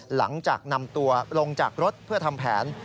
หลังจากนำตัวลงจากรถเพื่อทำแผน